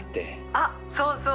あそうそう！